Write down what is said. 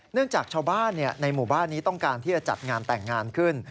จากชาวบ้านในหมู่บ้านนี้ต้องการที่จะจัดงานแต่งงานขึ้น